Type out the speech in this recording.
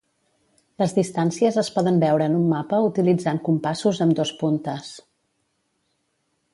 Les distàncies es poden veure en un mapa utilitzant compassos amb dos puntes.